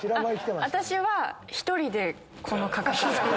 私は１人でこの価格。